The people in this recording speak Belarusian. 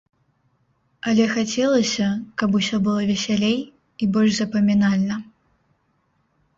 Але хацелася, каб усё было весялей і больш запамінальна.